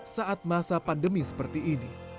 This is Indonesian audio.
saat masa pandemi seperti ini